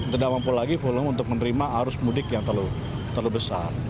tidak mampu lagi volume untuk menerima arus mudik yang terlalu besar